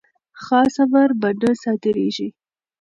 خاص امر به نه صادریږي.